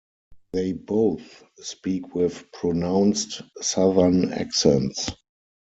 They both speak with pronounced Southern accents.